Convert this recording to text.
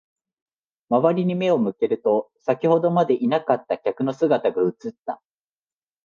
周りに目を向けると、先ほどまでいなかった客の姿が映った。